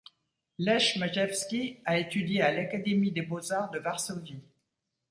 Lech Majewski a étudié à l'Académie des Beaux-Arts de Varsovie.